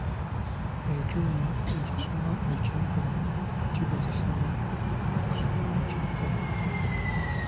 Ekyuma ekisoma ekinkumu kikozesebwa okusoma ekinkumu.